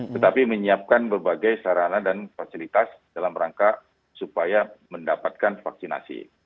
tetapi menyiapkan berbagai sarana dan fasilitas dalam rangka supaya mendapatkan vaksinasi